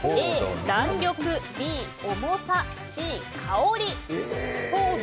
Ａ、弾力Ｂ、重さＣ、香り。